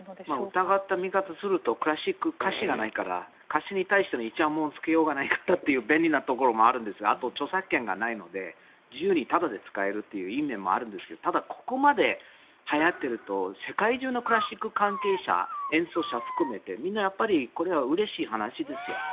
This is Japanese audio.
疑った見方をするとクラシック、歌詞がないから歌詞に対していちゃもんをつけようないからという便利なところもあるんですがあと、著作権がないので自由にタダで使えるといういい面もあるんですがただ、ここまではやっていると世界中のクラシック関係者演奏者含めて、みんなやっぱりうれしい話ですよ。